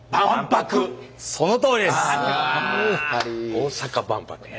大阪万博や。